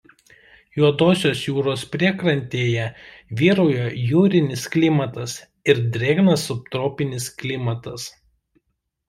Juodosios jūros priekrantėje vyrauja jūrinis klimatas ir drėgnas subtropinis klimatas.